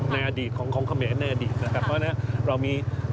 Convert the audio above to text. ในอดีตของเขมรในอดีตนะครับเพราะฉะนั้นเรามี